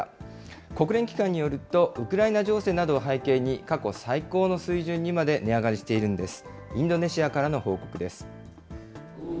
国連機関によると、ウクライナ情勢などを背景に、過去最高の水準にまで値上がりしているんです。